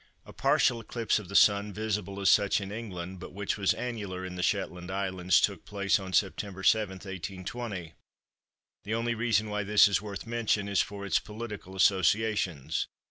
A partial eclipse of the Sun visible as such in England but which was annular in the Shetland Isles took place on Sept. 7, 1820. The only reason why this is worth mention is for its political associations.